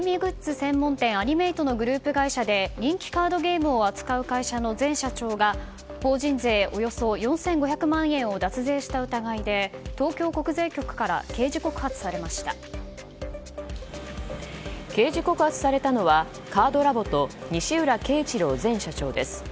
専門店アニメイトのグループ会社で人気カードゲームを扱う会社の前社長が法人税およそ４５００万円を脱税した疑いで、東京国税局から刑事告発されたのはカードラボと西浦恵一郎前社長です。